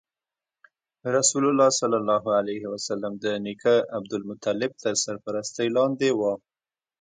رسول الله ﷺ د نیکه عبدالمطلب تر سرپرستۍ لاندې و.